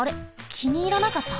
きにいらなかった？